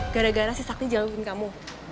gara gara si sakti jauhin kamu